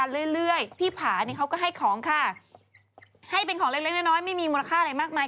เพิ่งผ่านวันเกิดมาไม่นานภูผาเขามีอะไรให้ไหม